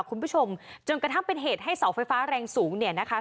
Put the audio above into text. คุณผู้ชมจนกระทั่งเป็นเหตุให้เสาไฟฟ้าแรงสูงเนี่ยนะคะ